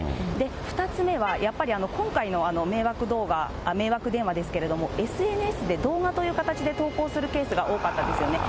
２つ目はやっぱり今回の迷惑電話ですけれども、ＳＮＳで動画という形で投稿するケースが多かったですよね。